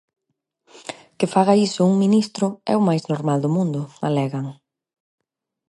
Que faga iso un ministro é o máis normal do mundo, alegan.